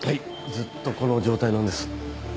ずっとこの状態なんです。